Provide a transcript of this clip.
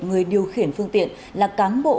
người điều khiển phương tiện là cán bộ